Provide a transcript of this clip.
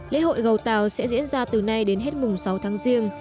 lễ hội gầu tàu sẽ diễn ra từ nay đến hết mùng sáu tháng riêng